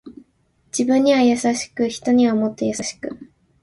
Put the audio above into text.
自分に優しく人にはもっと優しく